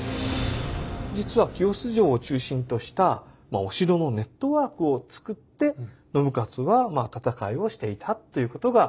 実は清須城を中心としたお城のネットワークを作って信雄は戦いをしていたっていうことが分かってきてるんです。